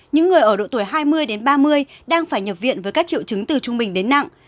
những người ở độ tuổi hai mươi đến ba mươi đang phải nhập viện với các triệu chứng từ trung bình đến nặng